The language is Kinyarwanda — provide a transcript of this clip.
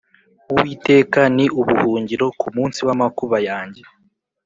Uwiteka ni ubuhungiro ku munsi w’amakuba yanjye